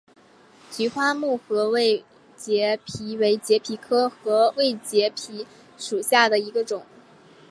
菊花木合位节蜱为节蜱科合位节蜱属下的一个种。